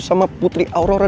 sama putri aurora